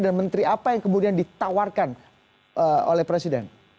dan menteri apa yang kemudian ditawarkan oleh presiden